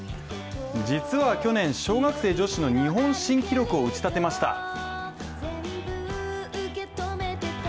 実は去年、小学生女子の日本新記録を打ち立てました。